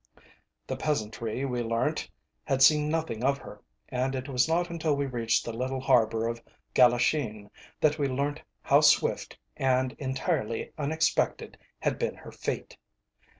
The peasantry, we learnt, had seen nothing of her, and it was not until we reached the little harbour of Gallisheen that we learnt how swift, and entirely unexpected, had been her fate.